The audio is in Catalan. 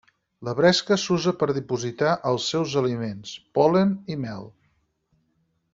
La bresca s'usa per dipositar els seus aliments: pol·len i mel.